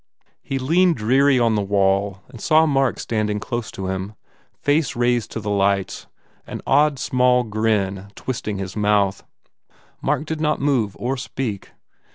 He leaned dreary on the wall and saw Mark standing close to him, face raised to the lights, an odd small grin twist ing his mouth. Mark did not move or speak.